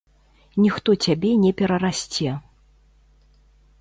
Ніхто цябе не перарасце.